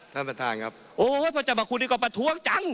ท่านประธานครับโอ้โหประจำบัคคุณดีกว่าประท้วงจัง